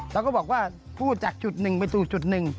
เราก็บอกว่าผู้จากจุดหนึ่งไปตรงจุดหนึ่ง